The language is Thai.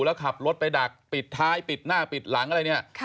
แล้วขับรถไปดักปิดท้ายปิดหน้าปิดหลังอะไรเนี่ย